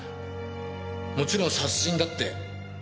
もちろん殺人だって。